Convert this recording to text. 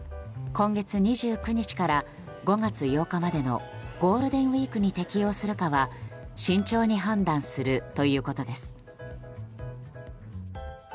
今月２９日から５月８日までのゴールデンウィークに適用するかは慎重に判断するということです。